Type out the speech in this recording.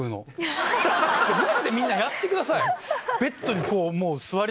マジでみんなやってください！